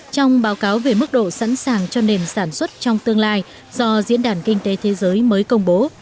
trong báo cáo về mức độ sẵn sàng cho nền sản xuất trong tương lai do diễn đàn kinh tế thế giới mới công bố